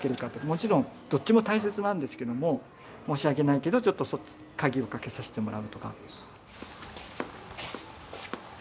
もちろんどっちも大切なんですけども申し訳ないけどちょっと鍵をかけさせてもらうとか。